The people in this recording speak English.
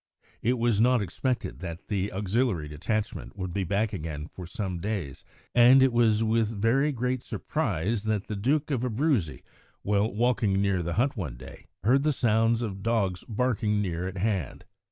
It was not expected that the auxiliary detachment would be back again for some days, and it was with very great surprise that the Duke of Abruzzi, while walking near the hut one day, heard the sounds of dogs barking near at hand.